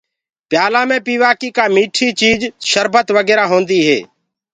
پيآلآ مي پيوآ ڪي ڪآ مٺي چيٚج سربت وگيرا هوندو هي۔